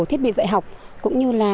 thiết bị dạy học cũng như